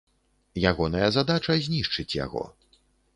Ягоная задача знішчыць яго.